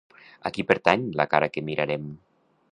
A qui pertany la cara que mirarem?